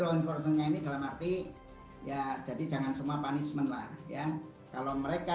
law formingnya ini dalam arti ya jadi jangan semua punishment lah ya kalau mereka